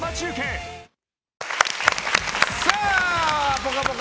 「ぽかぽか」